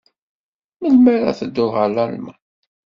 Melmi ara tedduḍ ɣer Lalman?